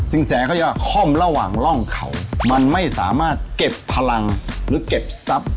แสเขาเรียกว่าค่อมระหว่างร่องเขามันไม่สามารถเก็บพลังหรือเก็บทรัพย์